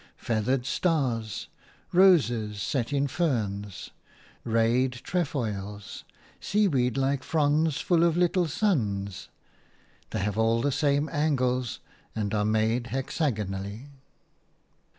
Feathered stars, roses set in ferns, rayed trefoils, seaweed like fronds full of little suns, they have all the same angles and are made hexagonally.